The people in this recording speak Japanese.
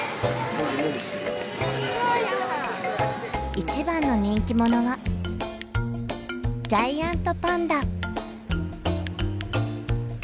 一番の人気者はジャイアントパンダ。